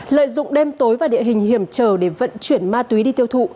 lợi dụng đêm tối và địa hình hiểm trở để vận chuyển ma túy đi tiêu thụ